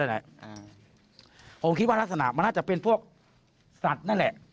บางทั้งอย่างผมคิดว่ารักษณะน่าจะเป็นพวกสัตว์นั้นแหละ